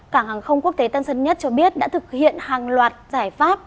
cảng hàng không quốc tế tân sơn nhất cho biết đã thực hiện hàng loạt giải pháp